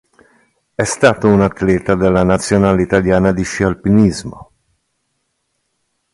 È stato un atleta della nazionale italiana di sci alpinismo.